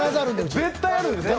絶対あるんですね。